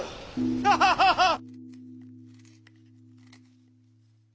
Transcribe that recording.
ハハハハッ！